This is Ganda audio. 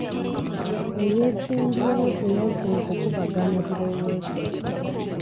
Eyeesimbyewo teyazze mu kukubaganya birowoozo.